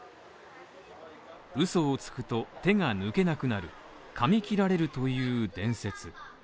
嘘をつくと、手が抜けなくなる噛み切られるという伝説。